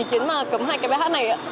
điến mà cấm hạch cái bài hát này